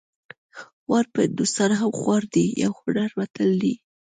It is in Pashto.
خوار په هندوستان هم خوار دی یو هنري متل دی